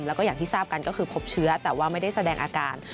แล้วก็อย่างที่ทราบกันก็คือพบเชื้อแต่ว่าไม่ได้แสดงอาการ